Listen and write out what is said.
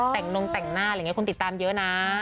แต่งโน้งแต่งหน้าคุณติดตามเยอะนะ